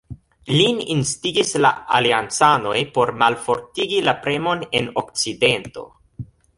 Lin instigis la aliancanoj por malfortigi la premon en okcidento.